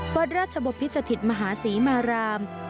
วัดราชบพิสถิตมหาศรีมาราม